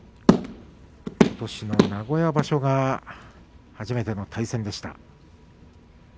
ことしの名古屋場所が初めての対戦でした。